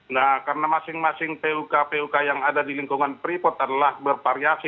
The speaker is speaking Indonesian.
nah karena masing masing puk puk yang ada di lingkungan freeport adalah bervariasi